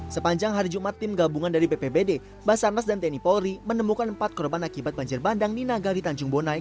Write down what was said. sepanjang hari jumat tim gabungan dari bpbd basarnas dan tni polri menemukan empat korban akibat banjir bandang di nagari tanjung bonai